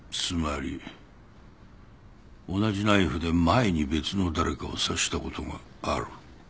つまり同じナイフで前に別の誰かを刺したことがある。